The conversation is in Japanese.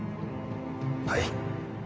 はい。